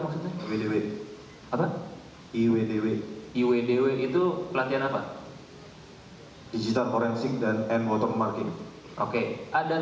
maksudnya wdw apa iwdw iwdw itu pelatihan apa digital forensik dan air watermarking oke ada